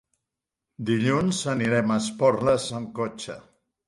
Dilluns anirem a Esporles amb cotxe.